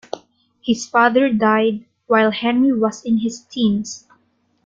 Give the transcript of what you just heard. His father died while Henry was in his teens.